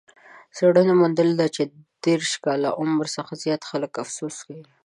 څېړنو موندلې چې د دېرش کاله عمر څخه زیات خلک افسوس کوي.